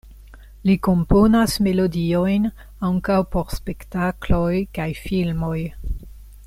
Li komponas melodiojn ankaŭ por spektakloj kaj filmoj.